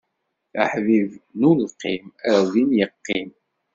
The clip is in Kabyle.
Aḥbib n ulqim, ar din iqqim!